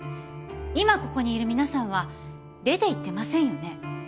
今ここにいる皆さんは出ていってませんよね？